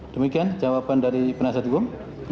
demikian jawaban dari penasihat hukum